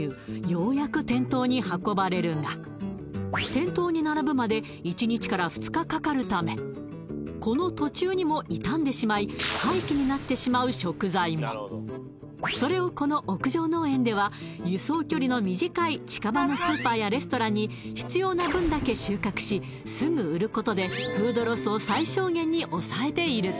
ようやく店頭に運ばれるが店頭に並ぶまで１日から２日かかるためこの途中にも傷んでしまい廃棄になってしまう食材もそれをこの屋上農園では輸送距離の短い近場のスーパーやレストランに必要な分だけ収穫しすぐ売ることでフードロスを最小限に抑えている